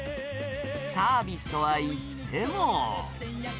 サービスとはいっても。